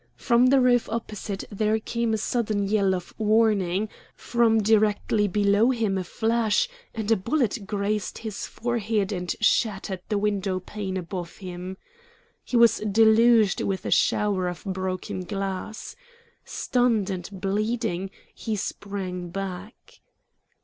From the roof opposite there came a sudden yell of warning, from directly below him a flash, and a bullet grazed his forehead and shattered the window pane above him. He was deluged with a shower of broken glass. Stunned and bleeding, he sprang back.